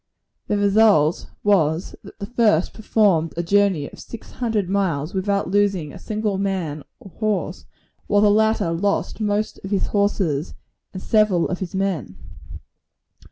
The result was, that the first performed a journey of six hundred miles without losing a single man or horse; while the latter lost most of his horses, and several of his men.